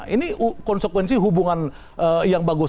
ini konsekuensi hubungan yang bagus